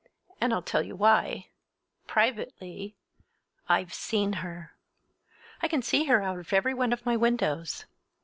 And I'll tell you why—privately—I've seen her! I can see her out of every one of my windows!